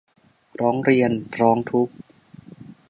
ร้องเรียน ร้องทุกข์